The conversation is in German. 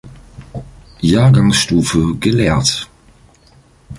Jahrgangsstufe gelehrt.